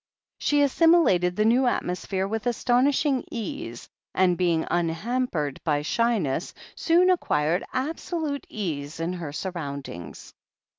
She assimilated the new atmosphere with astonish ing ease, and, being unhampered by shyness, soon ac quired absolute ease in her surroundings.